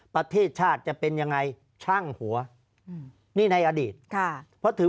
ประเทศชาติจะเป็นยังไงช่างหัวอืมนี่ในอดีตค่ะเพราะถือ